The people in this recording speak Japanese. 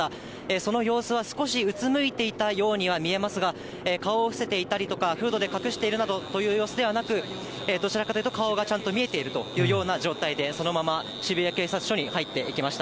その様子は少しうつむいていたようには見えますが、顔を伏せていたりとか、フードで隠しているという様子ではなく、どちらかというと、顔がちゃんと見えているというような状態で、そのまま渋谷警察署に入っていきました。